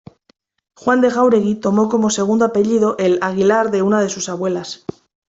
Juan de Jáuregui tomó como segundo apellido el "Aguilar" de una de sus abuelas.